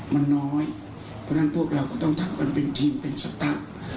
เพราะฉะนั้นพวกเราก็ต้องทักมันเป็นทีมเป็นศัตรู